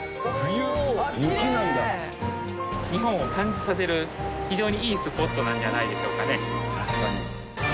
日本を感じさせる非常にいいスポットなのではないでしょうかね。